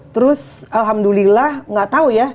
terus alhamdulillah gak tau ya